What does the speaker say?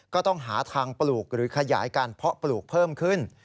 ก็ต้องหาทางปลูกหรือขยายการเพาะปลูกเพิ่มขึ้น